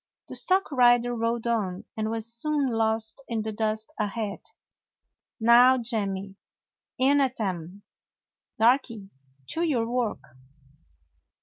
The stock rider rode on, and was soon lost in the dust ahead. "Now, Jemmy, in at 'em! Darky, to your work!"